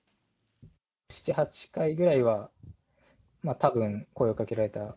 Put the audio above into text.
７、８回ぐらいは、たぶん声をかけられた。